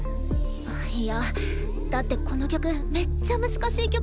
いやだってこの曲めっちゃ難しい曲でしょ？